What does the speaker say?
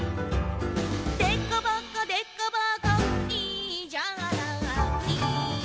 「でこぼこでこぼこいいじゃない」